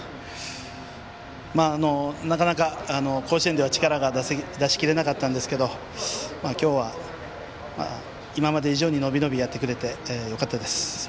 なかなか甲子園では力が出しきれなかったんですけど今日は今まで以上に伸び伸びやってくれてよかったです。